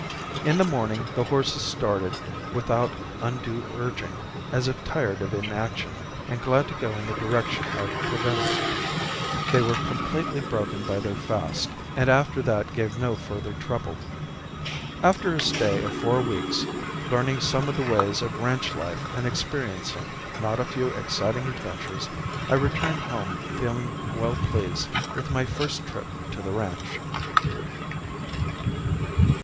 In the morning the horses started without undue urging as if tired of inaction and glad to go in the direction of provender. They were completely broken by their fast and after that gave no further trouble. After a stay of four weeks, learning something of the ways of ranch life and experiencing not a few exciting adventures, I returned home feeling well pleased with my first trip to the ranch.